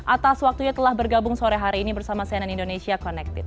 atas waktunya telah bergabung sore hari ini bersama cnn indonesia connected